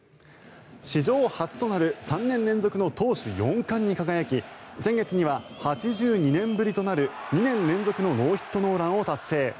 史上初となる３年連続の投手４冠に輝き先月には８２年ぶりとなる２年連続のノーヒット・ノーランを達成。